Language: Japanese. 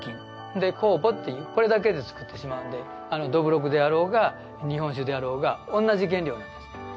で酵母っていうこれだけで造ってしまうんでどぶろくであろうが日本酒であろうが同じ原料なんです。